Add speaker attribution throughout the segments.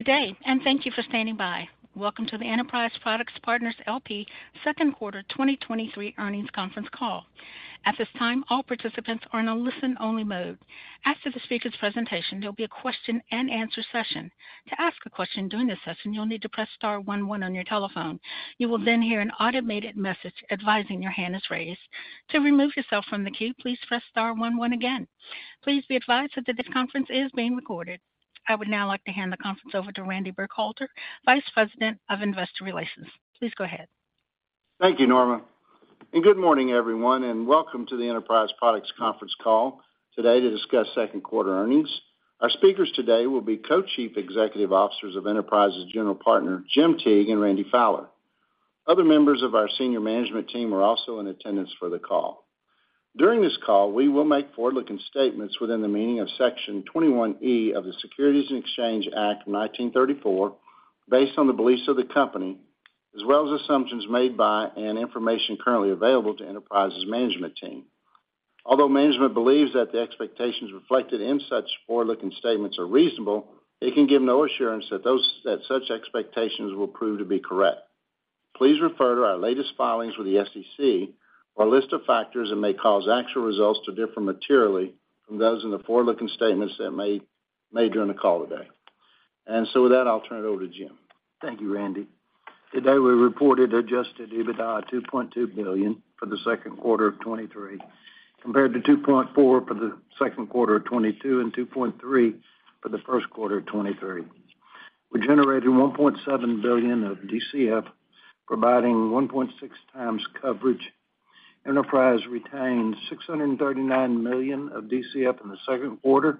Speaker 1: Good day. Thank you for standing by. Welcome to the Enterprise Products Partners L.P. Q2 2023 earnings conference call. At this time, all participants are in a listen-only mode. After the speaker's presentation, there'll be a question-and-answer session. To ask a question during this session, you'll need to press star 11 on your telephone. You will then hear an automated message advising your hand is raised. To remove yourself from the queue, please press star 11 again. Please be advised that this conference is being recorded. I would now like to hand the conference over to Randy Burkhalter, Vice President of Investor Relations. Please go ahead.
Speaker 2: Thank you, Norma, good morning, everyone, and welcome to the Enterprise Products conference call today to discuss Q2 earnings. Our speakers today will be Co-Chief Executive Officers of Enterprise's General Partner, Jim Teague and Randy Fowler. Other members of our senior management team are also in attendance for the call. During this call, we will make forward-looking statements within the meaning of Section 21E of the Securities Exchange Act of 1934, based on the beliefs of the company, as well as assumptions made by and information currently available to Enterprise's management team. Although management believes that the expectations reflected in such forward-looking statements are reasonable, it can give no assurance that such expectations will prove to be correct. Please refer to our latest filings with the SEC for a list of factors that may cause actual results to differ materially from those in the forward-looking statements that may, made during the call today. With that, I'll turn it over to Jim.
Speaker 3: Thank you, Randy. Today, we reported adjusted EBITDA $2.2 billion for the Q2 of 2023, compared to $2.4 billion for the Q2 of 2022 and $2.3 billion for the first quarter of 2023. We generated $1.7 billion of DCF, providing 1.6x coverage. Enterprise retained $639 million of DCF in the Q2,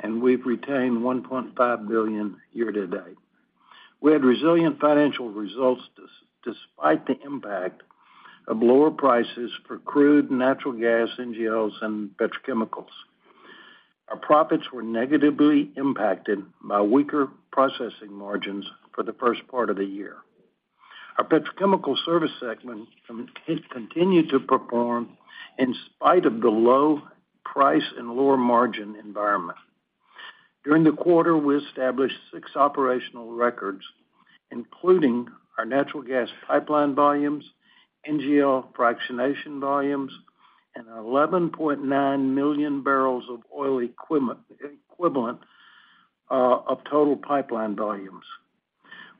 Speaker 3: and we've retained $1.5 billion year to date. We had resilient financial results, despite the impact of lower prices for crude, natural gas, NGLs, and petrochemicals. Our profits were negatively impacted by weaker processing margins for the first part of the year. Our petrochemical service segment it continued to perform in spite of the low price and lower margin environment. During the quarter, we established six operational records, including our natural gas pipeline volumes, NGL fractionation volumes, and 11.9 million barrels of oil equivalent of total pipeline volumes.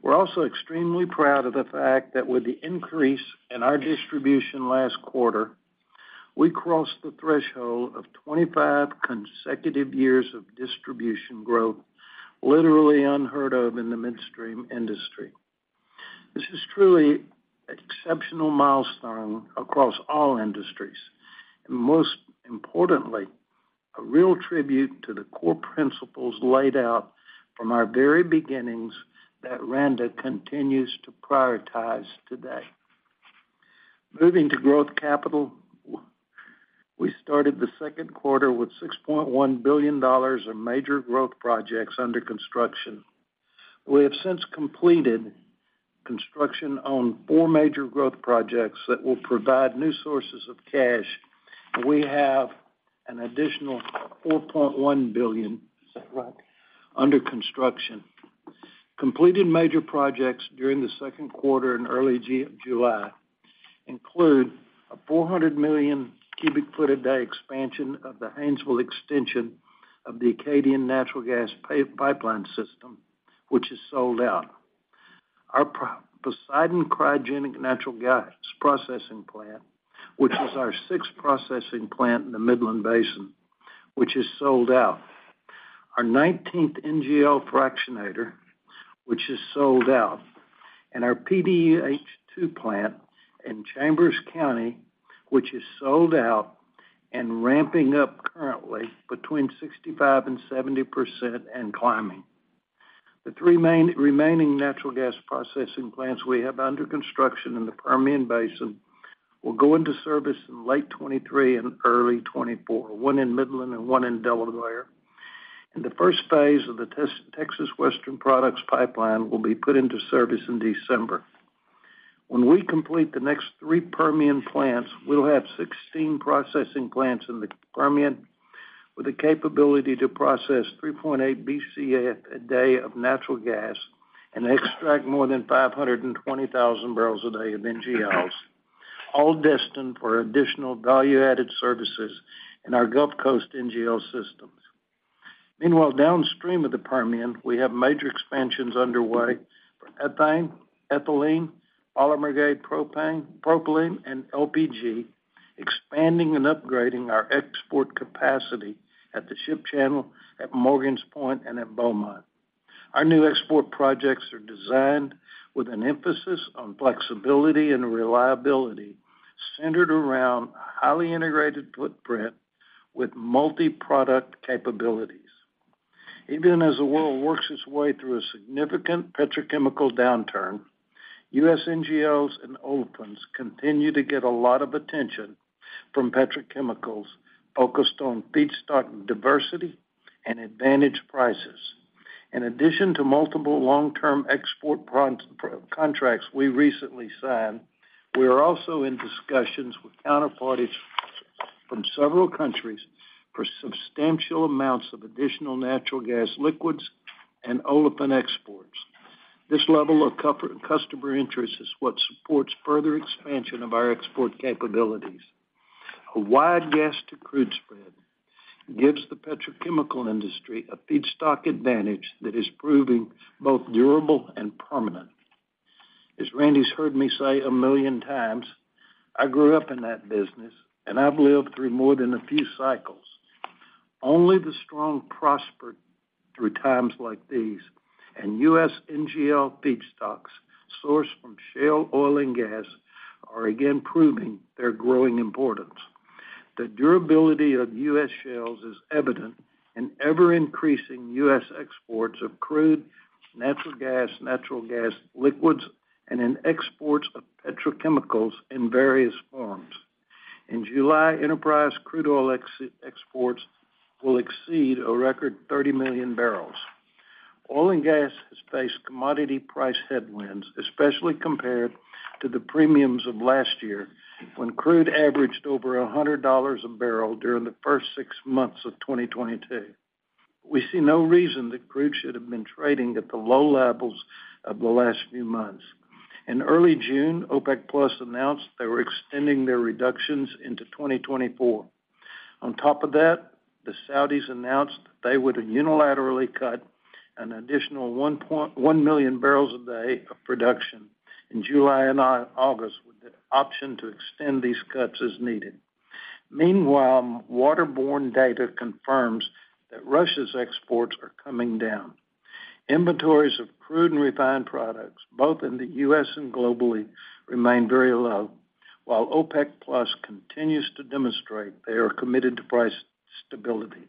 Speaker 3: We're also extremely proud of the fact that with the increase in our distribution last quarter, we crossed the threshold of 25 consecutive years of distribution growth, literally unheard of in the midstream industry. This is truly an exceptional milestone across all industries, and most importantly, a real tribute to the core principles laid out from our very beginnings that Randa continues to prioritize today. Moving to growth capital, we started the Q2 with $6.1 billion of major growth projects under construction. We have since completed construction on four major growth projects that will provide new sources of cash, and we have an additional $4.1 billion, is that right? Under construction. Completed major projects during the Q2 in early July include a 400 million cubic foot a day expansion of the Haynesville extension of the Acadian Gas Pipeline System, which is sold out. Our Poseidon cryogenic natural gas processing plant, which is our sixth processing plant in the Midland Basin, which is sold out. Our nineteenth NGL Fractionator, which is sold out, and our PDH 2 plant in Chambers County, which is sold out and ramping up currently between 65% and 70% and climbing. The three remaining natural gas processing plants we have under construction in the Permian Basin will go into service in late 2023 and early 2024, one in Midland and one in Delaware. The first phase of the Texas Western Products System will be put into service in December. When we complete the next three Permian plants, we'll have 16 processing plants in the Permian, with the capability to process 3.8 Bcf a day of natural gas and extract more than 520,000 barrels a day of NGLs, all destined for additional value-added services in our Gulf Coast NGL systems. Meanwhile, downstream of the Permian, we have major expansions underway for ethane, ethylene, polymer-grade propane, propylene, and LPG, expanding and upgrading our export capacity at the ship channel at Morgan's Point and at Beaumont. Our new export projects are designed with an emphasis on flexibility and reliability, centered around a highly integrated footprint with multi-product capabilities. Even as the world works its way through a significant petrochemical downturn, U.S. NGLs and olefins continue to get a lot of attention from petrochemicals focused on feedstock diversity and advantage prices. In addition to multiple long-term export contracts we recently signed, we are also in discussions with counterparties from several countries for substantial amounts of additional Natural Gas Liquids and olefin exports. This level of customer interest is what supports further expansion of our export capabilities. A wide gas to crude spread gives the petrochemical industry a feedstock advantage that is proving both durable and permanent. As Randy's heard me say 1 million times, I grew up in that business, and I've lived through more than a few cycles. Only the strong prosper through times like these, and U.S. NGL feedstocks, sourced from shale oil and gas, are again proving their growing importance. The durability of U.S. shales is evident in ever-increasing U.S. exports of crude, natural gas, Natural Gas Liquids, and in exports of petrochemicals in various forms. In July, Enterprise crude oil exports will exceed a record 30 million barrels. Oil and gas has faced commodity price headwinds, especially compared to the premiums of last year, when crude averaged over $100 a barrel during the first 6 months of 2022. We see no reason that crude should have been trading at the low levels of the last few months. In early June, OPEC+ announced they were extending their reductions into 2024. On top of that, the Saudis announced that they would unilaterally cut an additional 1.1 million barrels a day of production in July and August, with the option to extend these cuts as needed. Meanwhile, waterborne data confirms that Russia's exports are coming down. Inventories of crude and refined products, both in the U.S. and globally, remain very low, while OPEC+ continues to demonstrate they are committed to price stability.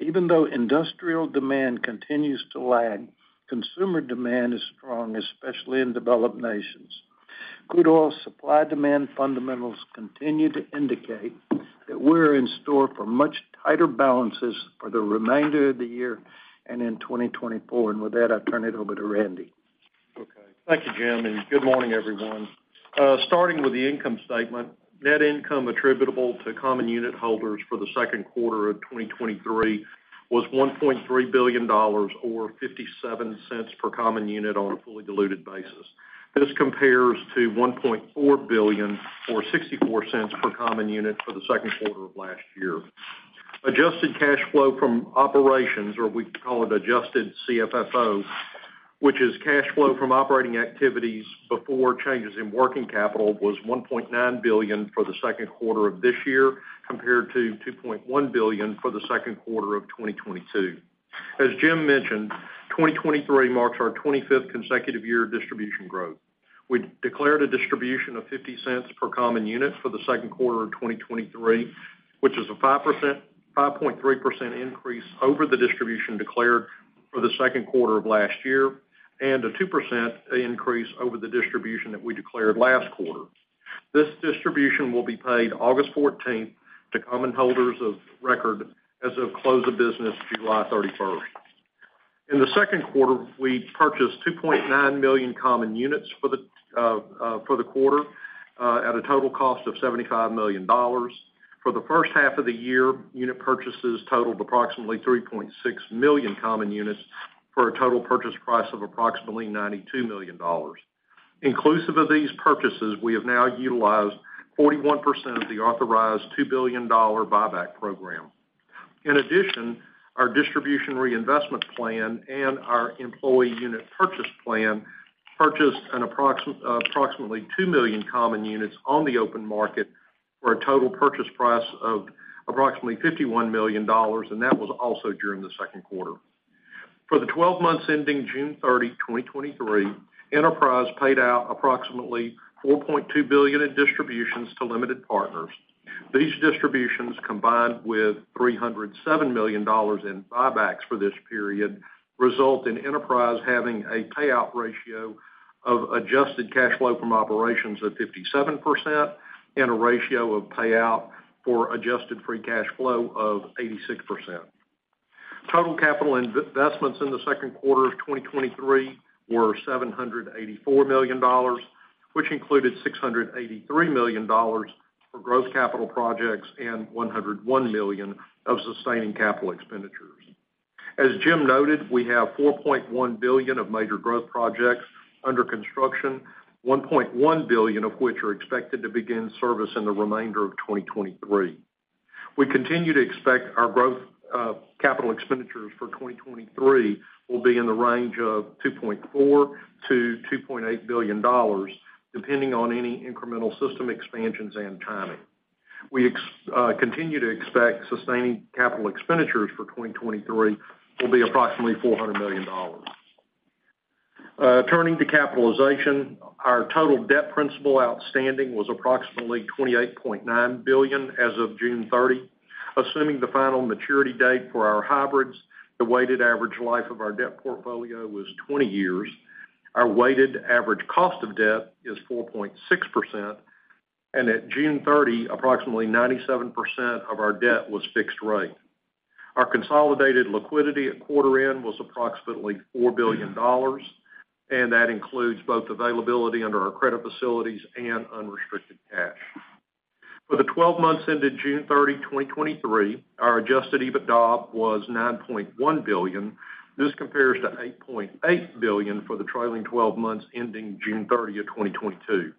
Speaker 3: Even though industrial demand continues to lag, consumer demand is strong, especially in developed nations. Crude oil supply-demand fundamentals continue to indicate that we're in store for much tighter balances for the remainder of the year and in 2024. With that, I'll turn it over to Randy.
Speaker 4: Thank you, Jim, good morning, everyone. Starting with the income statement, net income attributable to common unit holders for the Q2 of 2023 was $1.3 billion or $0.57 per common unit on a fully diluted basis. This compares to $1.4 billion or $0.64 per common unit for the Q2 of last year. Adjusted cash flow from operations, or we call it Adjusted CFFO, which is cash flow from operating activities before changes in working capital, was $1.9 billion for the Q2 of this year, compared to $2.1 billion for the Q2 of 2022. As Jim mentioned, 2023 marks our 25th consecutive year of distribution growth. We declared a distribution of $0.50 per common unit for the Q2 of 2023, which is a 5%-5.3% increase over the distribution declared for the Q2 of last year, and a 2% increase over the distribution that we declared last quarter. This distribution will be paid August 14th to common holders of record as of close of business, July 31st. In the Q2, we purchased 2.9 million common units for the quarter, at a total cost of $75 million. For the first half of the year, unit purchases totaled approximately 3.6 million common units for a total purchase price of approximately $92 million. Inclusive of these purchases, we have now utilized 41% of the authorized $2 billion buyback program. In addition, our distribution reinvestment plan and our employee unit purchase plan purchased approximately 2 million common units on the open market for a total purchase price of approximately $51 million. That was also during the Q2. For the 12 months ending June 30, 2023, Enterprise paid out approximately $4.2 billion in distributions to limited partners. These distributions, combined with $307 million in buybacks for this period, result in Enterprise having a payout ratio of adjusted cash flow from operations at 57% and a ratio of payout for adjusted free cash flow of 86%. Total capital investments in the Q2 of 2023 were $784 million, which included $683 million for growth capital projects and $101 million of sustaining capital expenditures. As Jim noted, we have $4.1 billion of major growth projects under construction, $1.1 billion of which are expected to begin service in the remainder of 2023. We continue to expect our growth capital expenditures for 2023 will be in the range of $2.4 billion-$2.8 billion, depending on any incremental system expansions and timing. We continue to expect sustaining capital expenditures for 2023 will be approximately $400 million. Turning to capitalization, our total debt principal outstanding was approximately $28.9 billion as of June 30. Assuming the final maturity date for our hybrids, the weighted average life of our debt portfolio was 20 years. Our weighted average cost of debt is 4.6%, and at June 30, approximately 97% of our debt was fixed rate. Our consolidated liquidity at quarter end was approximately $4 billion, and that includes both availability under our credit facilities and unrestricted cash. For the 12 months ended June 30, 2023, our adjusted EBITDA was $9.1 billion. This compares to $8.8 billion for the trailing 12 months ending June 30, 2022.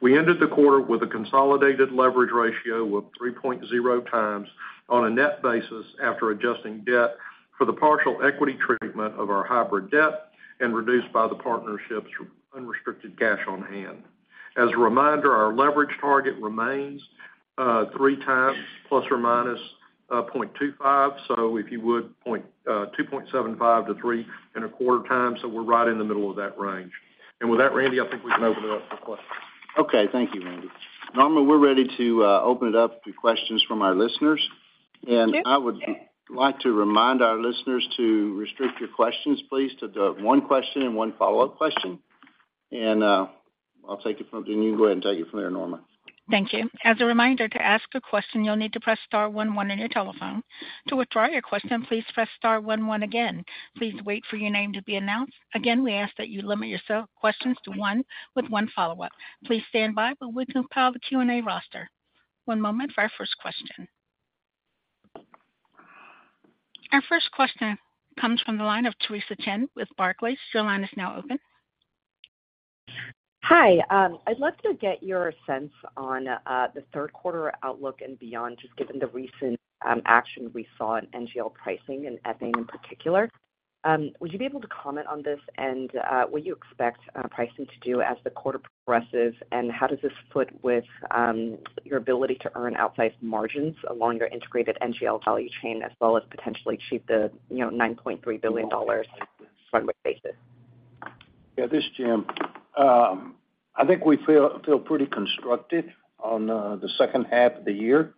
Speaker 4: We ended the quarter with a consolidated leverage ratio of 3.0 times on a net basis, after adjusting debt for the partial equity treatment of our hybrid debt and reduced by the partnership's unrestricted cash on hand. As a reminder, our leverage target remains, 3 times ±0.25. If you would, point, 2.75-3.25 times, so we're right in the middle of that range. With that, Randy, I think we can open it up for questions.
Speaker 2: Okay, thank you, Randy. Norma, we're ready to open it up to questions from our listeners.
Speaker 1: Yes.
Speaker 2: And I would like to remind our listeners to restrict your questions, please, to the one question and one follow-up question. Then you go ahead and take it from there, Norma.
Speaker 1: Thank you. As a reminder, to ask a question, you'll need to press star one one on your telephone. To withdraw your question, please press star one one again. Please wait for your name to be announced. Again, we ask that you limit yourself questions to one with one follow-up. Please stand by while we compile the Q&A roster. One moment for our first question. Our first question comes from the line of Theresa Chen with Barclays. Your line is now open.
Speaker 5: Hi, I'd love to get your sense on the third quarter outlook and beyond, just given the recent action we saw in NGL pricing and ethylene in particular. Would you be able to comment on this? What do you expect pricing to do as the quarter progresses, and how does this fit with your ability to earn outsized margins along your integrated NGL value chain, as well as potentially achieve the $9.3 billion run rate basis?
Speaker 3: Yeah, this is Jim. I think we feel, feel pretty constructed on the second half of the year.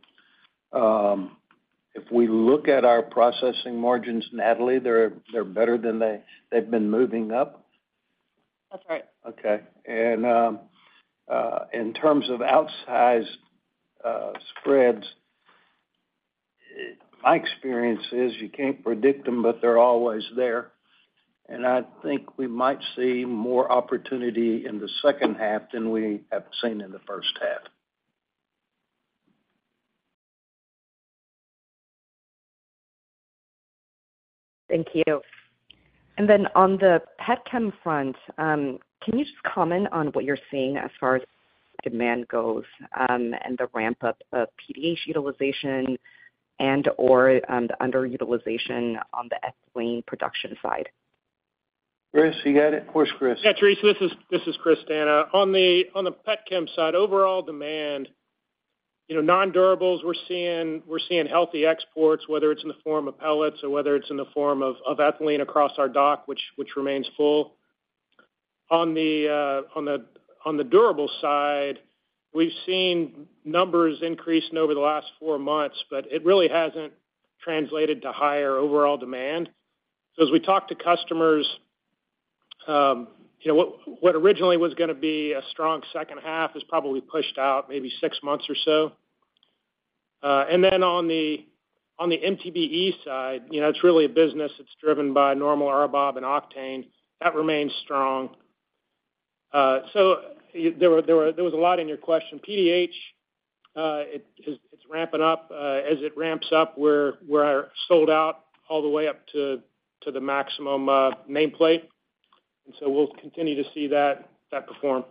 Speaker 3: If we look at our processing margins, Natalie, they're, they're better than they've been moving up.
Speaker 5: That's right.
Speaker 3: Okay. In terms of outsized, spreads, my experience is you can't predict them, but they're always there. I think we might see more opportunity in the second half than we have seen in the first half.
Speaker 5: Thank you. Then on the petchem front, can you just comment on what you're seeing as far as demand goes, and the ramp-up of PDH utilization and/or, the underutilization on the ethylene production side?
Speaker 3: Chris, you got it? Of course, Chris.
Speaker 6: Yeah, Theresa, this is, this is Chris D'Anna. On the, on the petchem side, overall demand, you know, non-durables, we're seeing, we're seeing healthy exports, whether it's in the form of pellets or whether it's in the form of, of ethylene across our dock, which, which remains full. On the, on the durable side, we've seen numbers increasing over the last four months, but it really hasn't translated to higher overall demand. As we talk to customers, you know, what, what originally was gonna be a strong second half is probably pushed out maybe six months or so. Then on the, on the MTBE side, you know, it's really a business that's driven by normal RBOB and octane. That remains strong. There was a lot in your question. PDH, it's, it's ramping up. As it ramps up, we're, we're sold out all the way up to, to the maximum, nameplate, and so we'll continue to see that, that perform.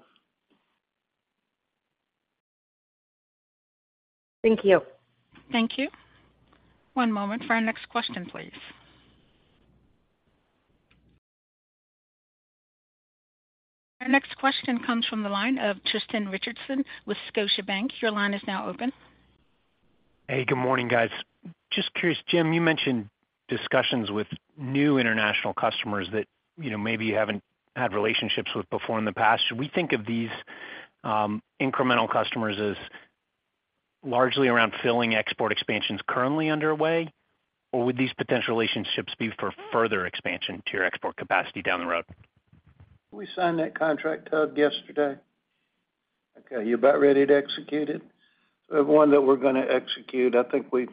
Speaker 5: Thank you.
Speaker 1: Thank you. One moment for our next question, please. Our next question comes from the line of Tristan Richardson with Scotiabank. Your line is now open.
Speaker 7: Hey, good morning, guys. Just curious, Jim, you mentioned discussions with new international customers that, you know, maybe you haven't had relationships with before in the past. Should we think of these incremental customers as largely around filling export expansions currently underway? Would these potential relationships be for further expansion to your export capacity down the road?
Speaker 3: We signed that contract, Tug, yesterday. Okay, you about ready to execute it? The one that we're gonna execute, I think we've.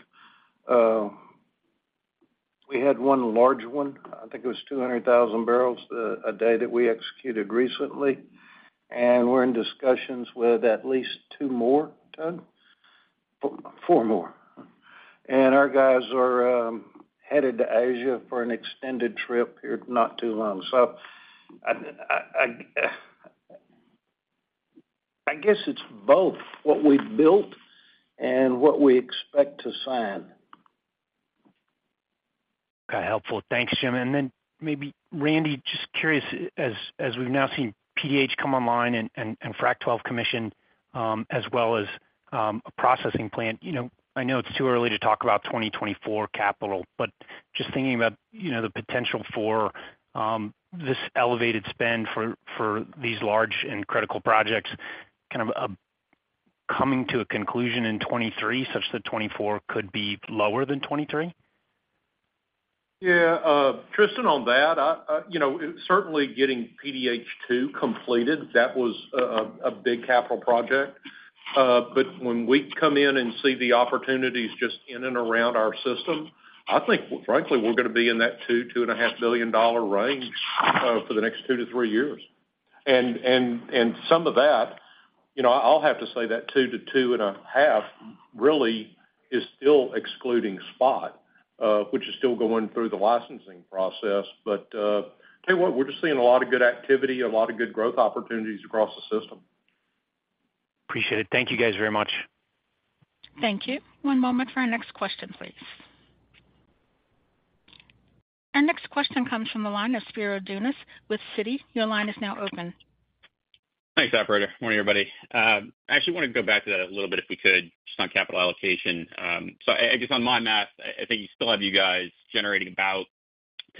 Speaker 3: We had one large one. I think it was 200,000 barrels a day that we executed recently, and we're in discussions with at least two more, Tug? Four more. Our guys are headed to Asia for an extended trip here not too long. I, I, I guess it's both what we've built and what we expect to sign.
Speaker 7: Okay, helpful. Thanks, Jim. Then maybe, Randy, just curious, as, as we've now seen PDH come online and, and, and Frac 12 commission, as well as, a processing plant, you know, I know it's too early to talk about 2024 capital, but just thinking about, you know, the potential for, this elevated spend for, for these large and critical projects, kind of, coming to a conclusion in 2023, such that 2024 could be lower than 2023?
Speaker 8: Yeah, Tristan, on that, I, you know, certainly getting PDH 2 completed, that was a big capital project. When we come in and see the opportunities just in and around our system, I think, frankly, we're gonna be in that $2 billion-$2.5 billion range for the next two to three years. Some of that, you know, I'll have to say that $2 billion to $2.5 billion, really, is still excluding SPOT, which is still going through the licensing process. Tell you what, we're just seeing a lot of good activity, a lot of good growth opportunities across the system.
Speaker 7: Appreciate it. Thank you, guys, very much.
Speaker 1: Thank you. One moment for our next question, please. Our next question comes from the line of Spiro Dounis with Citi. Your line is now open.
Speaker 9: Thanks, operator. Morning, everybody. I actually want to go back to that a little bit, if we could, just on capital allocation. I guess on my math, I think you still have you guys generating about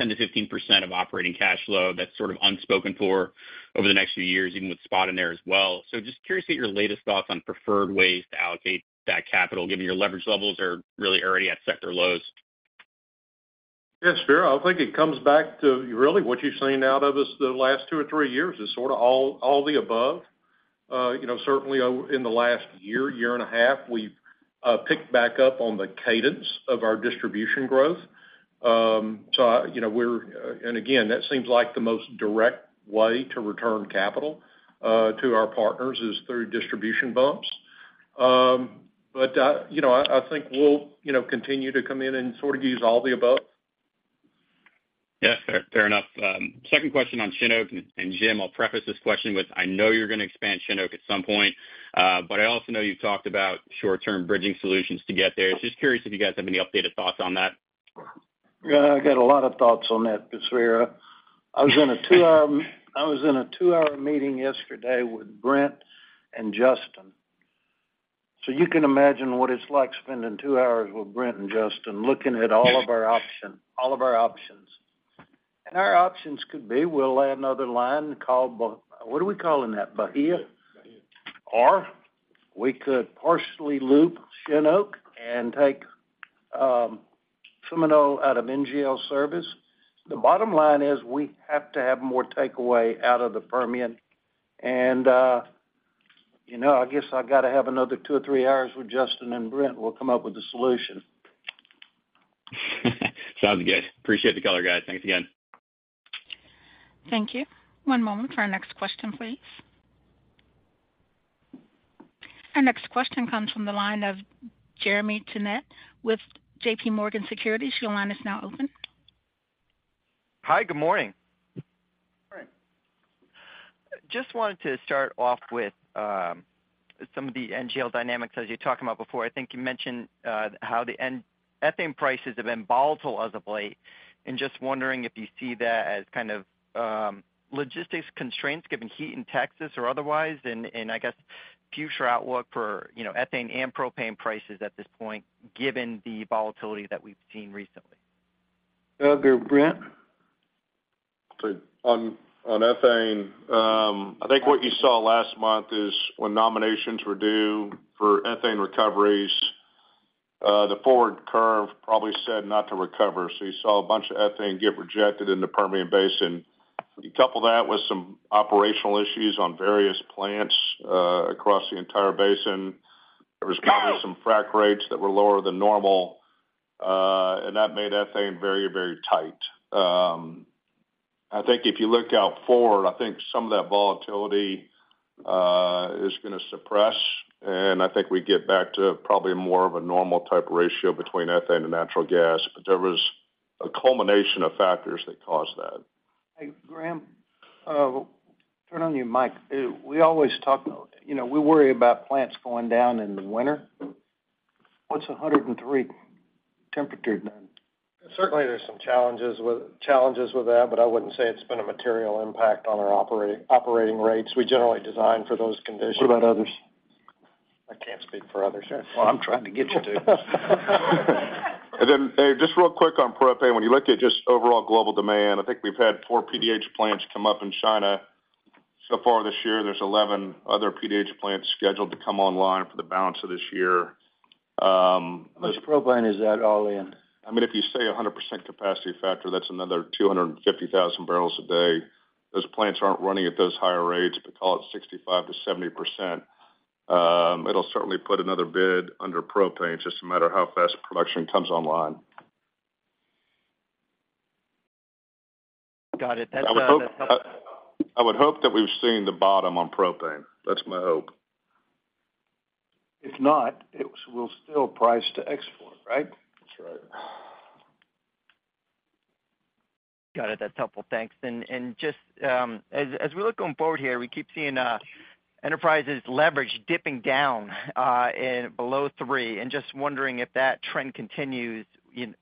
Speaker 9: 10%-15% of operating cash flow. That's sort of unspoken for over the next few years, even with SPOT in there as well. Just curious to get your latest thoughts on preferred ways to allocate that capital, given your leverage levels are really already at sector lows.
Speaker 2: Yes, Spiro, I think it comes back to really what you've seen out of us the last two or three years, is sort of all, all the above. You know, certainly in the last year, year and a half, we've picked back up on the cadence of our distribution growth. I, you know, we're and again, that seems like the most direct way to return capital to our partners, is through distribution bumps. You know, I, I think we'll, you know, continue to come in and sort of use all the above.
Speaker 9: Yes, fair enough. second question on Shin Oak, and Jim, I'll preface this question with, I know you're going to expand Shin Oak at some point, but I also know you've talked about short-term bridging solutions to get there. Just curious if you guys have any updated thoughts on that?
Speaker 3: Yeah, I got a lot of thoughts on that, Spiro. I was in a 2 hour, I was in a 2-hour meeting yesterday with Brent and Justin. You can imagine what it's like spending 2 hours with Brent and Justin, looking at all of our option, all of our options. Our options could be, we'll add another line called what are we calling that, Bahia? Bahia. We could partially loop Shin Oak and take Terminal out of NGL service. The bottom line is, we have to have more takeaway out of the Permian. You know, I guess I've got to have another two or three hours with Justin and Brent, we'll come up with a solution.
Speaker 9: Sounds good. Appreciate the color, guys. Thanks again.
Speaker 1: Thank you. One moment for our next question, please. Our next question comes from the line of Jeremy Tonet with JPMorgan Securities. Your line is now open.
Speaker 10: Hi, good morning.
Speaker 3: Good morning.
Speaker 10: Just wanted to start off with, some of the NGL dynamics, as you talked about before. I think you mentioned, how ethane prices have been volatile as of late, and just wondering if you see that as kind of, logistics constraints, given heat in Texas or otherwise, and I guess future outlook for, you know, ethane and propane prices at this point, given the volatility that we've seen recently?
Speaker 3: Brent?
Speaker 11: On, on ethane, I think what you saw last month is when nominations were due for ethane recoveries, the forward curve probably said not to recover, so you saw a bunch of ethane get rejected in the Permian Basin. You couple that with some operational issues on various plants across the entire basin. There was probably some frack rates that were lower than normal, and that made ethane very, very tight. I think if you look out forward, I think some of that volatility is gonna suppress, and I think we get back to probably more of a normal type ratio between ethane and natural gas. There was a culmination of factors that caused that.
Speaker 3: Hey, Graham, turn on your mic. We always talk, you know, we worry about plants going down in the winter. What's 103 temperature, then?
Speaker 12: Certainly, there's some challenges with that. I wouldn't say it's been a material impact on our operating rates. We generally design for those conditions.
Speaker 3: What about others?
Speaker 12: I can't speak for others.
Speaker 3: Well, I'm trying to get you to. Just real quick on propane. When you look at just overall global demand, I think we've had four PDH plants come up in China so far this year. There's 11 other PDH plants scheduled to come online for the balance of this year.
Speaker 12: Which propane is that all in?
Speaker 3: I mean, if you say 100% capacity factor, that's another 250,000 barrels a day. Those plants aren't running at those higher rates, but call it 65%-70%. It'll certainly put another bid under propane, just no matter how fast production comes online.
Speaker 10: Got it. That's
Speaker 3: I would hope that we've seen the bottom on propane. That's my hope.
Speaker 12: If not, we'll still price to export, right?
Speaker 3: That's right.
Speaker 10: Got it. That's helpful. Thanks. Just, as we look going forward here, we keep seeing Enterprise's leverage dipping down and below three. Just wondering if that trend continues,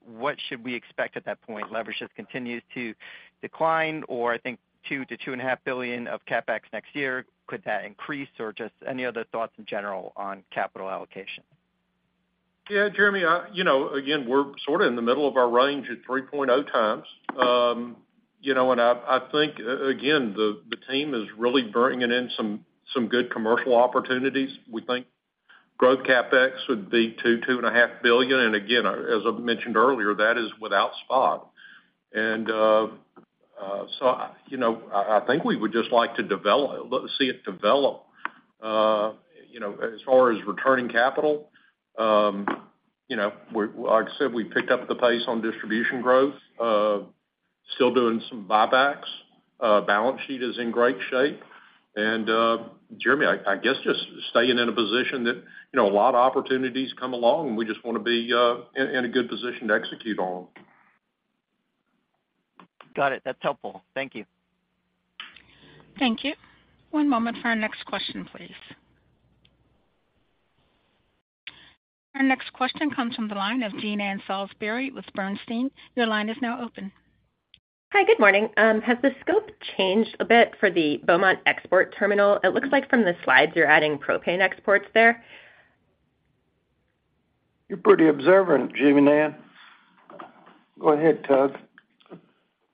Speaker 10: what should we expect at that point? Leverage just continues to decline, or I think $2 billion-$2.5 billion of CapEx next year, could that increase, or just any other thoughts in general on capital allocation?
Speaker 12: Yeah, Jeremy, you know, again, we're sort of in the middle of our range at 3.0 times. You know, and I, I think, again, the, the team is really bringing in some, some good commercial opportunities. We think growth CapEx would be $2 billion-$2.5 billion. Again, as I mentioned earlier, that is without SPOT. So, you know, I, I think we would just like to develop, let see it develop. You know, as far as returning capital, you know, we like I said, we picked up the pace on distribution growth, still doing some buybacks. Balance sheet is in great shape. Jeremy, I, I guess just staying in a position that, you know, a lot of opportunities come along, and we just want to be, in, in a good position to execute on them.
Speaker 10: Got it. That's helpful. Thank you.
Speaker 1: Thank you. One moment for our next question, please. Our next question comes from the line of Jean Ann Salisbury with Bernstein. Your line is now open.
Speaker 13: Hi, good morning. Has the scope changed a bit for the Beaumont export terminal? It looks like from the slides you're adding propane exports there.
Speaker 3: You're pretty observant, Jean Ann. Go ahead, Tug.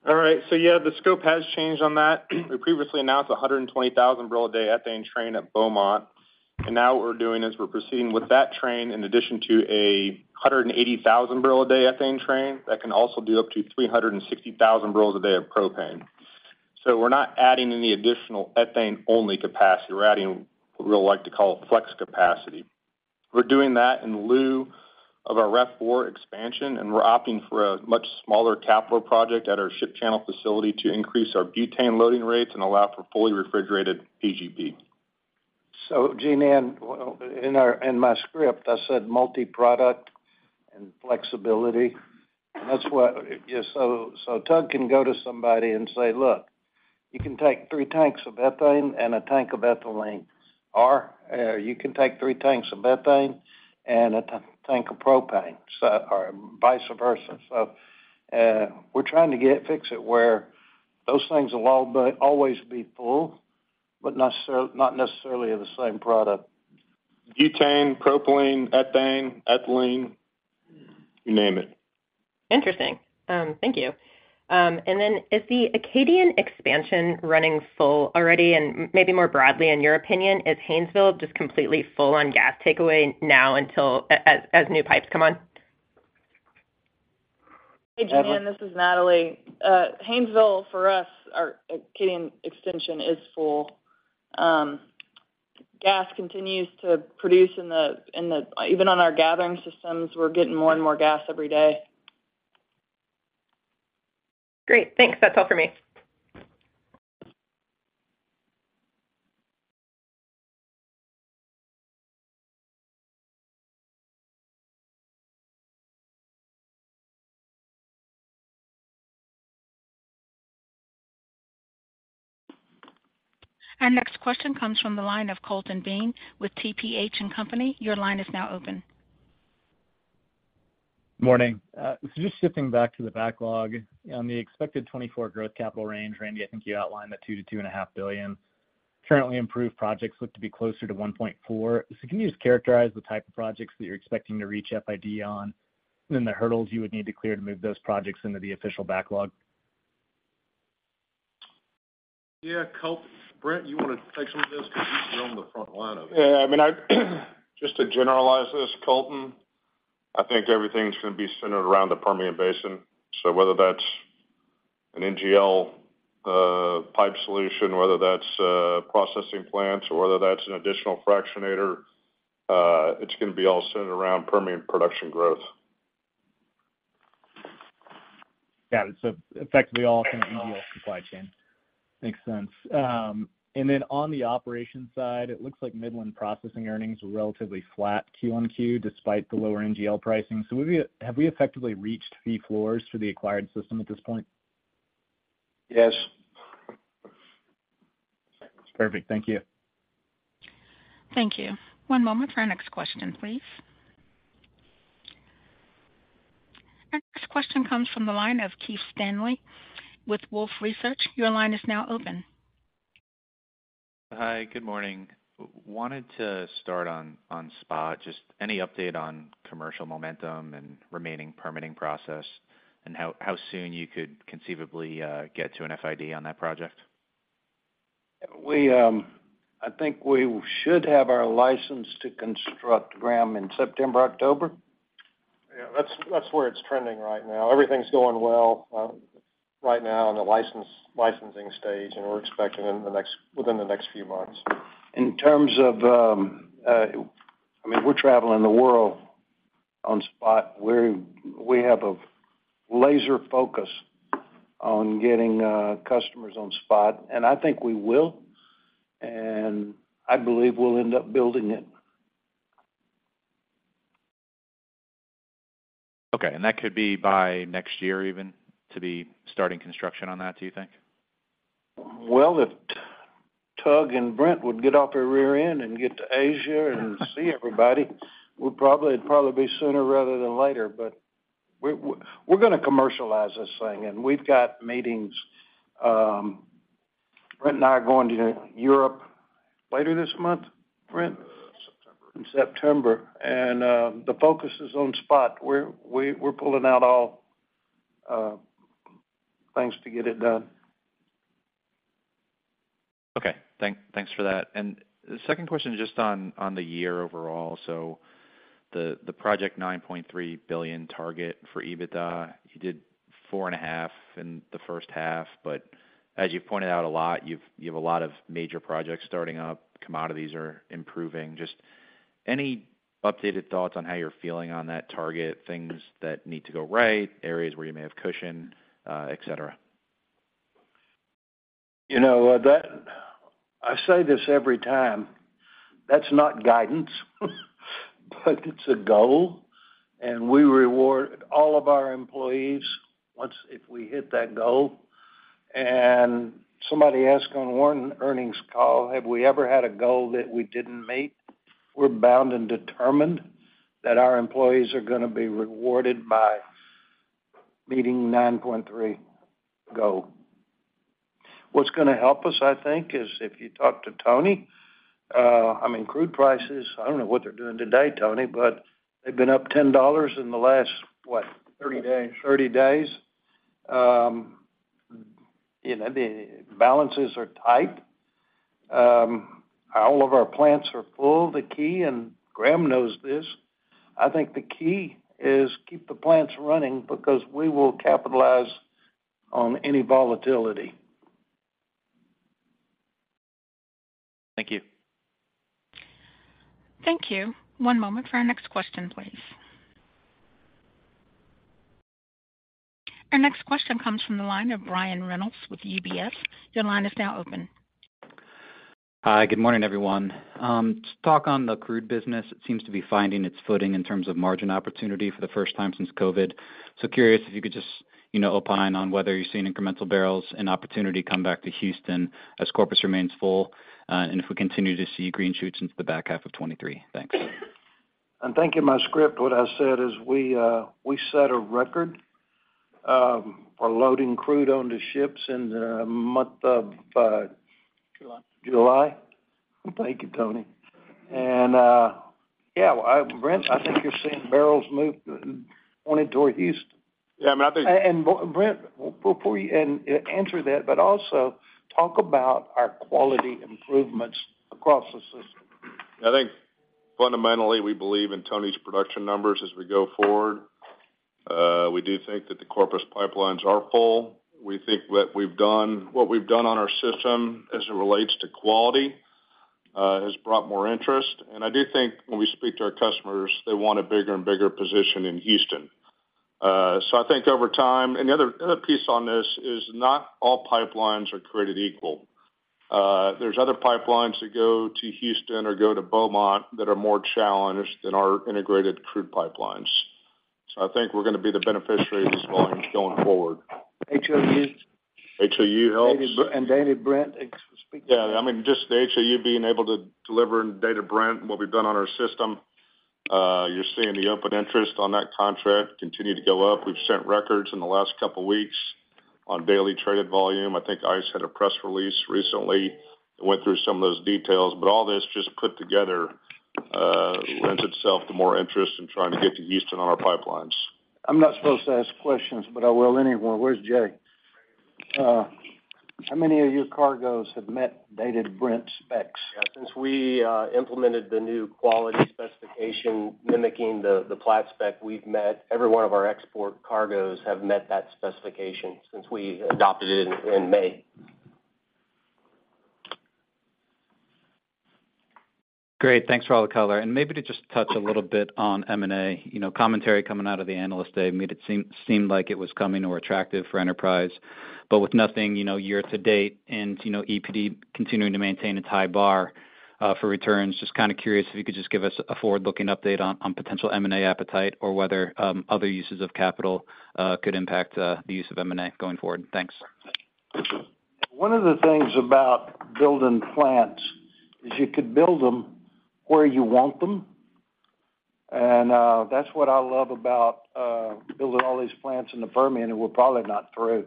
Speaker 14: All right. Yeah, the scope has changed on that. We previously announced a 120,000 barrel a day ethane train at Beaumont. Now what we're doing is we're proceeding with that train in addition to a 180,000 barrel a day ethane train that can also do up to 360,000 barrels a day of propane. We're not adding any additional ethane-only capacity. We're adding what we like to call flex capacity. We're doing that in lieu of our Re-Frac 4 expansion. We're opting for a much smaller capital project at our ship channel facility to increase our butane loading rates and allow for fully refrigerated PGP.
Speaker 3: Jean Ann, well, in my script, I said multi-product and flexibility. Tug can go to somebody and say: "Look, you can take 3 tanks of ethane and 1 tank of ethylene, or, you can take 3 tanks of ethane and 1 tank of propane, or vice versa." We're trying to fix it where those things will all be, always be full, but not necessarily of the same product.
Speaker 14: Butane, propylene, ethane, ethylene, you name it.
Speaker 13: Interesting. Thank you. Is the Acadian expansion running full already? Maybe more broadly, in your opinion, is Haynesville just completely full on gas takeaway now until as new pipes come on?
Speaker 15: Hey, Jean Ann, this is Natalie. Haynesville, for us, our Acadian extension is full. Gas continues to produce even on our gathering systems, we're getting more and more gas every day.
Speaker 13: Great. Thanks. That's all for me.
Speaker 1: Our next question comes from the line of Colton Bean with TPH & Co.. Your line is now open.
Speaker 16: Morning. Just shifting back to the backlog, on the expected 2024 growth capital range, Randy, I think you outlined the $2 billion-$2.5 billion. Currently, improved projects look to be closer to $1.4 billion. Can you just characterize the type of projects that you're expecting to reach FID on, and the hurdles you would need to clear to move those projects into the official backlog?
Speaker 3: Yeah, Colt. Brent, you want to take some of this? Because you're on the front line of it.
Speaker 11: Yeah, I mean, I, just to generalize this, Colton, I think everything's going to be centered around the Permian Basin. Whether that's an NGL pipe solution, whether that's processing plants, or whether that's an additional fractionator, it's going to be all centered around Permian production growth.
Speaker 16: Got it. effectively, all kind of NGL supply chain. Makes sense. on the operations side, it looks like Midland processing earnings were relatively flat Q on Q, despite the lower NGL pricing. have we, have we effectively reached fee floors for the acquired system at this point?
Speaker 3: Yes.
Speaker 16: Perfect. Thank you.
Speaker 1: Thank you. One moment for our next question, please. Our next question comes from the line of Keith Stanley with Wolfe Research. Your line is now open.
Speaker 17: Hi, good morning. Wanted to start on, on SPOT. Just any update on commercial momentum and remaining permitting process, and how soon you could conceivably get to an FID on that project?
Speaker 3: We, I think we should have our license to construct, Graham, in September, October.
Speaker 12: Yeah, that's, that's where it's trending right now. Everything's going well, right now in the licensing stage, and we're expecting it in the next-- within the next few months.
Speaker 3: In terms of, I mean, we're traveling the world on SPOT. We have a laser focus on getting customers on SPOT, and I think we will, and I believe we'll end up building it.
Speaker 17: Okay. That could be by next year even, to be starting construction on that, do you think?
Speaker 3: Well, if Tug and Brent would get off their rear end and get to Asia and see everybody, we'd probably it'd probably be sooner rather than later. We we're gonna commercialize this thing, and we've got meetings. Brent and I are going to Europe later this month, Brent?
Speaker 11: September.
Speaker 3: In September, the focus is on SPOT, where we, we're pulling out all, things to get it done.
Speaker 17: Okay. Thank, thanks for that. The second question is just on, on the year overall. The, the project $9.3 billion target for EBITDA, you did $4.5 billion in the first half, but as you pointed out a lot, you've, you have a lot of major projects starting up. Commodities are improving. Just any updated thoughts on how you're feeling on that target, things that need to go right, areas where you may have cushion, et cetera?
Speaker 3: You know, I say this every time, that's not guidance, but it's a goal, and we reward all of our employees if we hit that goal. Somebody asked on one earnings call, have we ever had a goal that we didn't meet? We're bound and determined that our employees are gonna be rewarded by meeting 9.3 goal. What's gonna help us, I think, is if you talk to Tony, I mean, crude prices, I don't know what they're doing today, Tony, but they've been up $10 in the last, what?
Speaker 18: 30 days.
Speaker 3: 30 days. You know, the balances are tight. All of our plants are full. The key. Graham knows this, I think the key is keep the plants running because we will capitalize on any volatility.
Speaker 17: Thank you.
Speaker 1: Thank you. One moment for our next question, please. Our next question comes from the line of Brian Reynolds with UBS. Your line is now open.
Speaker 19: Hi, good morning, everyone. Talk on the crude business, it seems to be finding its footing in terms of margin opportunity for the first time since COVID. Curious if you could just, you know, opine on whether you're seeing incremental barrels and opportunity come back to Houston as Corpus remains full, and if we continue to see green shoots into the back half of 2023. Thanks.
Speaker 3: Thank you. My script, what I said is we, we set a record for loading crude onto ships in the month of.
Speaker 18: July.
Speaker 3: July. Thank you, Tony. Yeah, well, Brent, I think you're seeing barrels move on in toward Houston.
Speaker 11: Yeah, I mean, I think.
Speaker 3: Brent, before you answer that, but also talk about our quality improvements across the system.
Speaker 11: I think fundamentally, we believe in Tony's production numbers as we go forward. We do think that the Corpus pipelines are full. We think what we've done, what we've done on our system as it relates to quality, has brought more interest. I do think when we speak to our customers, they want a bigger and bigger position in Houston. I think over time, and the other, the other piece on this is not all pipelines are created equal. There's other pipelines that go to Houston or go to Beaumont that are more challenged than our integrated crude pipelines. I think we're gonna be the beneficiary of this volume going forward.
Speaker 3: HOU.
Speaker 11: HOU helps.
Speaker 3: Dated Brent, speak to that.
Speaker 11: Yeah, I mean, just the HOU being able to deliver in Dated Brent, what we've done on our system, you're seeing the open interest on that contract continue to go up. We've set records in the last couple of weeks on daily traded volume. I think ICE had a press release recently, and went through some of those details, but all this just put together, lends itself to more interest in trying to get to Houston on our pipelines.
Speaker 3: I'm not supposed to ask questions. I will anyway. Where's Jay? How many of your cargoes have met Dated Brent specs?
Speaker 20: Yeah, since we implemented the new quality specification mimicking the Platts spec, every one of our export cargoes have met that specification since we adopted it in May.
Speaker 19: Great. Thanks for all the color. Maybe to just touch a little bit on M&A. You know, commentary coming out of the Analyst Day made it seem, seemed like it was coming or attractive for Enterprise. With nothing, you know, year to date, and, you know, EPD continuing to maintain its high bar for returns, just kind of curious if you could just give us a forward-looking update on potential M&A appetite or whether other uses of capital could impact the use of M&A going forward. Thanks.
Speaker 3: One of the things about building plants is you could build them where you want them, and that's what I love about building all these plants in the Permian, and we're probably not through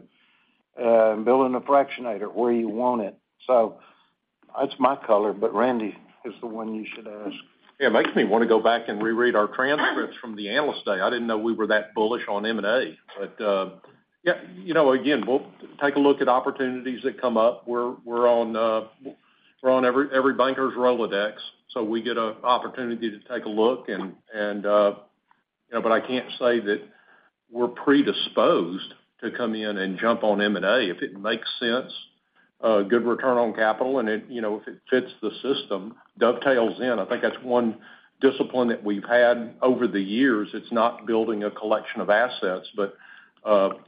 Speaker 3: building a fractionator where you want it. That's my color. Randy is the one you should ask.
Speaker 2: Yeah, it makes me want to go back and reread our transcripts from the Analyst Day. I didn't know we were that bullish on M&A. Yeah, you know, again, we'll take a look at opportunities that come up. We're, we're on, we're on every, every banker's Rolodex, so we get an opportunity to take a look and, and, you know, but I can't say that we're predisposed to come in and jump on M&A. If it makes sense, a good return on capital and it, you know, if it fits the system, dovetails in. I think that's one discipline that we've had over the years. It's not building a collection of assets, but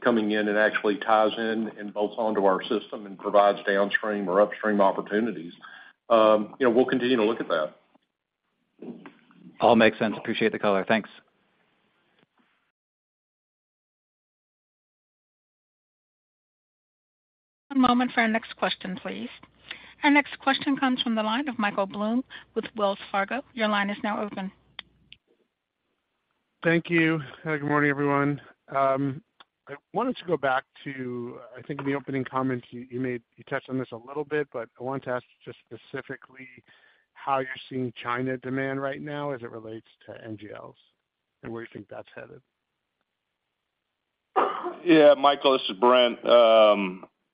Speaker 2: coming in and actually ties in and bolts onto our system and provides downstream or upstream opportunities. You know, we'll continue to look at that.
Speaker 19: All makes sense. Appreciate the color. Thanks.
Speaker 1: One moment for our next question, please. Our next question comes from the line of Michael Blum with Wells Fargo. Your line is now open.
Speaker 21: Thank you. Good morning, everyone. I wanted to go back to, I think in the opening comments you, you touched on this a little bit, but I wanted to ask just specifically how you're seeing China demand right now as it relates to NGLs and where you think that's headed.
Speaker 11: Yeah, Michael, this is Brent.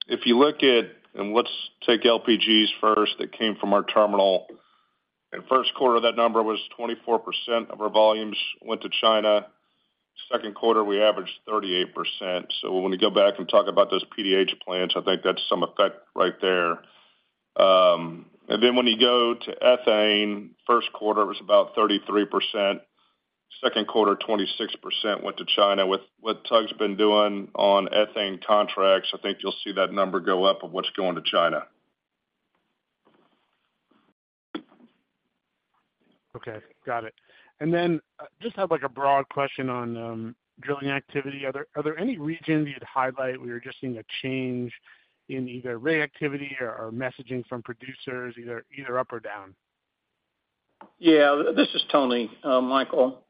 Speaker 11: If you look at. Let's take LPGs first, that came from our terminal. In first quarter, that number was 24% of our volumes went to China. Q2, we averaged 38%. When we go back and talk about those PDH plants, I think that's some effect right there. Then when you go to ethane, first quarter was about 33%, Q2, 26% went to China. With what Tug's been doing on ethane contracts, I think you'll see that number go up of what's going to China.
Speaker 21: Okay, got it. Just have, like, a broad question on drilling activity. Are there, are there any regions you'd highlight where you're just seeing a change in either rig activity or, or messaging from producers, either, either up or down?
Speaker 22: Yeah, this is Tony, Michael.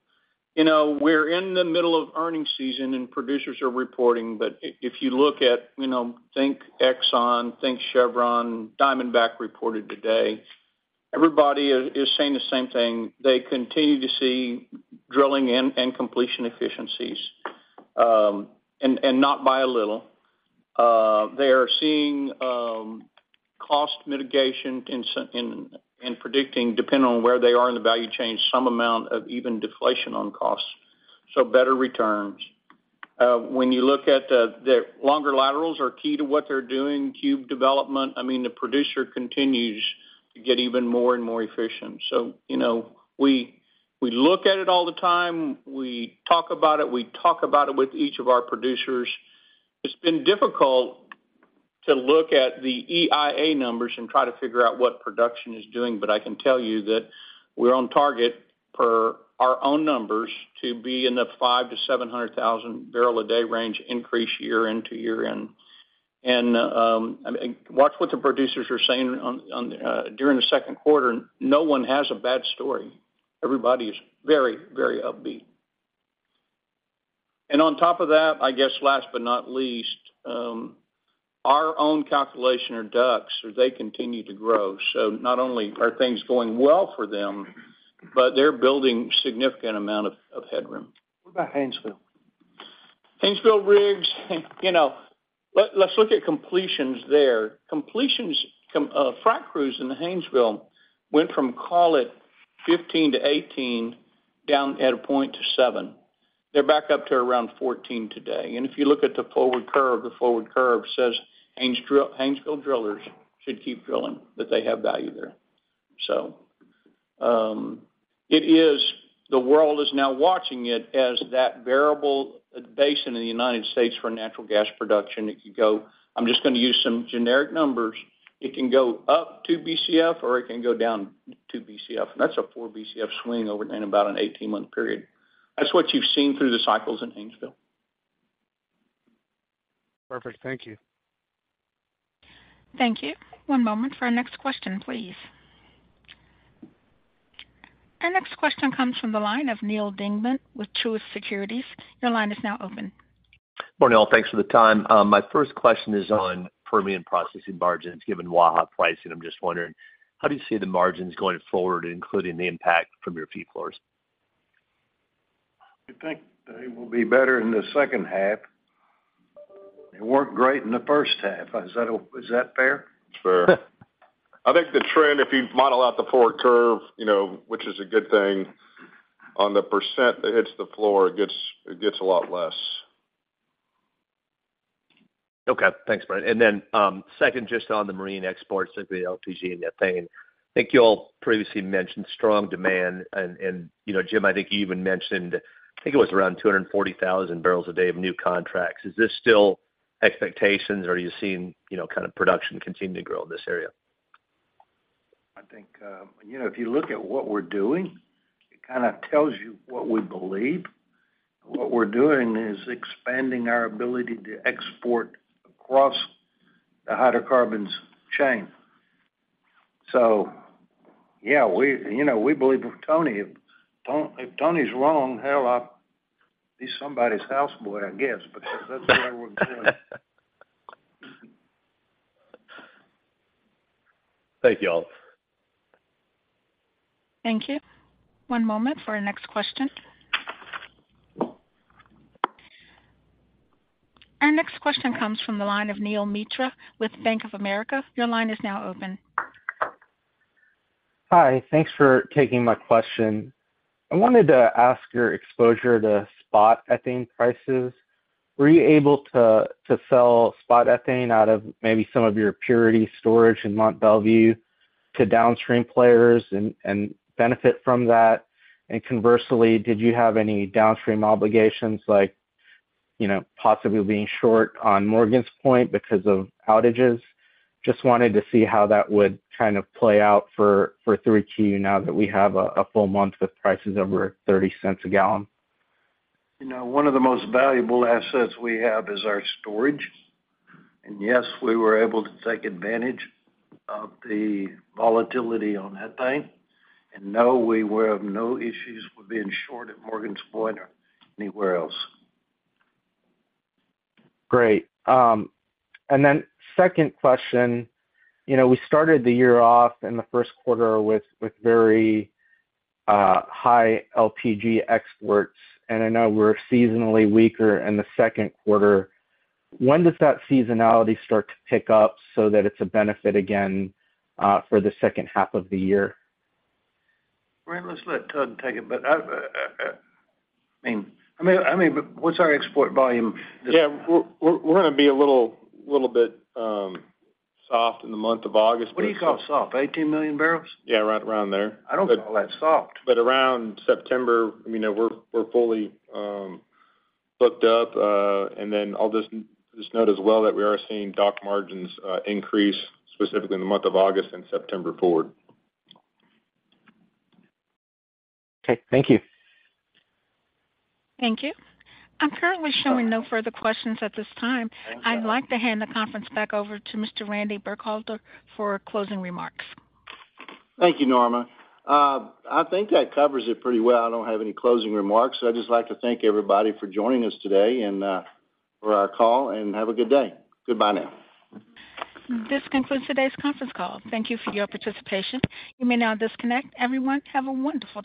Speaker 22: You know, we're in the middle of earnings season and producers are reporting, but if you look at, you know, think Exxon, think Chevron, Diamondback reported today, everybody is, is saying the same thing. They continue to see drilling and completion efficiencies, and not by a little. They are seeing cost mitigation in some in, in predicting, depending on where they are in the value chain, some amount of even deflation on costs, so better returns. When you look at the, the longer laterals are key to what they're doing, cube development. I mean, the producer continues to get even more and more efficient. So, you know, we, we look at it all the time. We talk about it. We talk about it with each of our producers. It's been difficult to look at the EIA numbers and try to figure out what production is doing, but I can tell you that we're on target per our own numbers to be in the 500,000-700,000 barrel a day range increase year end to year end. I mean, watch what the producers are saying on, on, during the Q2. No one has a bad story. Everybody is very, very upbeat. On top of that, I guess last but not least, our own calculation are DUCs, or they continue to grow. Not only are things going well for them, but they're building significant amount of, of headroom.
Speaker 21: What about Haynesville?
Speaker 22: Haynesville rigs, you know, let's look at completions there. Completions, frac crews in the Haynesville went from, call it, 15 to 18, down at a point to 7. They're back up to around 14 today. If you look at the forward curve, the forward curve says Haynesville drillers should keep drilling, that they have value there. The world is now watching it as that variable basin in the United States for natural gas production. It could go, I'm just gonna use some generic numbers, it can go up 2 Bcf or it can go down 2 Bcf. That's a 4 Bcf swing over in about an 18-month period. That's what you've seen through the cycles in Haynesville.
Speaker 21: Perfect. Thank you.
Speaker 1: Thank you. One moment for our next question, please. Our next question comes from the line of Neal Dingmann with Truist Securities. Your line is now open.
Speaker 23: Good morning, all. Thanks for the time. My first question is on Permian processing margins, given Waha pricing. I'm just wondering, how do you see the margins going forward, including the impact from your fee floors?
Speaker 3: I think they will be better in the second half. It worked great in the first half. Is that, is that fair?
Speaker 11: It's fair. I think the trend, if you model out the forward curve, you know, which is a good thing, on the % that hits the floor, it gets, it gets a lot less.
Speaker 23: Okay, thanks, Brent. Then, second, just on the marine exports of the LPG and ethane. I think you all previously mentioned strong demand. You know, Jim, I think you even mentioned, I think it was around 240,000 barrels a day of new contracts. Is this still expectations or are you seeing, you know, kind of production continue to grow in this area?
Speaker 24: I think, you know, if you look at what we're doing, it kind of tells you what we believe. What we're doing is expanding our ability to export across the hydrocarbons chain. Yeah, we, you know, we believe Tony... If Tony's wrong, hell, I'll be somebody's house boy, I guess, because that's what we're doing.
Speaker 23: Thank you, all.
Speaker 1: Thank you. one moment for our next question. Our next question comes from the line of Neel Mitra with Bank of America. Your line is now open.
Speaker 25: Hi, thanks for taking my question. I wanted to ask your exposure to spot ethane prices. Were you able to, to sell spot ethane out of maybe some of your purity storage in Mont Belvieu to downstream players and, and benefit from that? Conversely, did you have any downstream obligations like, you know, possibly being short on Morgan's Point because of outages? Just wanted to see how that would kind of play out for, for 3Q now that we have a, a full month of prices over $0.30 a gallon.
Speaker 21: You know, one of the most valuable assets we have is our storage. Yes, we were able to take advantage of the volatility on ethane. No, we were of no issues with being short at Morgan's Point or anywhere else.
Speaker 25: Great. Second question. You know, we started the year off in the first quarter with, with very high LPG exports, and I know we're seasonally weaker in the Q2. When does that seasonality start to pick up so that it's a benefit again for the second half of the year?
Speaker 21: Brent, let's let Tug take it, but I, I mean, I mean, I mean, what's our export volume?
Speaker 14: Yeah, we're, we're, we're gonna be a little, little bit soft in the month of August.
Speaker 21: What do you call soft? 18 million barrels?
Speaker 14: Yeah, right around there.
Speaker 21: I don't call that soft.
Speaker 14: Around September, I mean, we're, we're fully booked up. Then I'll just, just note as well that we are seeing dock margins increase, specifically in the month of August and September forward.
Speaker 25: Okay. Thank you.
Speaker 1: Thank you. I'm currently showing no further questions at this time. I'd like to hand the conference back over to Mr. Randy Burkhalter for closing remarks.
Speaker 2: Thank you, Norma. I think that covers it pretty well. I don't have any closing remarks. I'd just like to thank everybody for joining us today and for our call, and have a good day. Goodbye now.
Speaker 1: This concludes today's conference call. Thank you for your participation. You may now disconnect. Everyone, have a wonderful day.